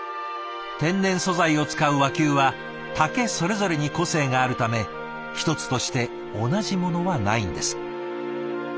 天然素材を使う和弓は竹それぞれに個性があるため一つとして同じものはないんです。